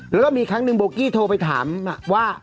แล้วก็มีครั้งหนึ่งโบกี้โทรไปถามว่า